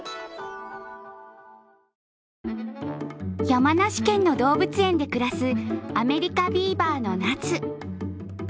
山梨県の動物園で暮らすアメリカビーバーのナツ。